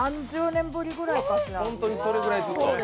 ３０年ぶりくらいかしら。